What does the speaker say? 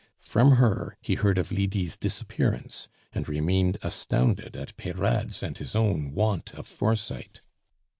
From her he heard of Lydie's disappearance, and remained astounded at Peyrade's and his own want of foresight.